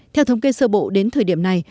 theo thống kê sơ bộ đến thời điểm này